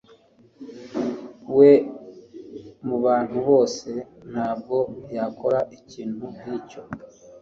We, mubantu bose, ntabwo yakora ikintu nkicyo.